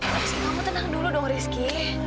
tapi kamu tenang dulu dong rizky